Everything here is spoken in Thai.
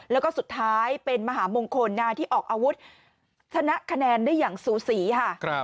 แล้วก็สุดท้ายเป็นมหามงคลที่ออกอาวุธชนะคะแนนได้อย่างสูสีค่ะ